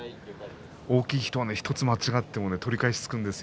大きい人は１つ間違えても取り返しがつくんです。